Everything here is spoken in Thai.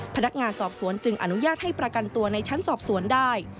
พนักงานสอบสวนจึงอนุญาตให้ประกันตัวในชั้นสอบสวนได้